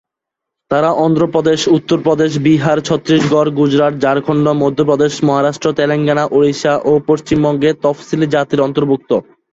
তারা অন্ধ্রপ্রদেশ, উত্তরপ্রদেশ, বিহার, ছত্তিশগড়, গুজরাট, ঝাড়খণ্ড, মধ্যপ্রদেশ, মহারাষ্ট্র, তেলেঙ্গানা, ওড়িশা ও পশ্চিমবঙ্গে তফসিলি জাতির অন্তর্ভুক্ত।